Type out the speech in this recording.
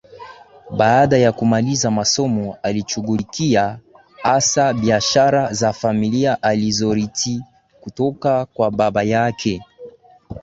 Baada ya kumaliza masomo alishughulikia hasa biashara za familia alizorithi kutoka kwa baba yake